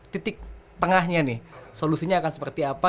titik tengahnya nih solusinya akan seperti apa